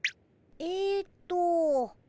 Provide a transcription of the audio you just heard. えっと。